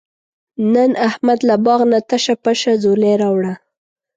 نن احمد له باغ نه تشه پشه ځولۍ راوړله.